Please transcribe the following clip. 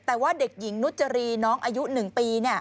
แต่ว่าเด็กหญิงนุจรีน้องอายุ๑ปี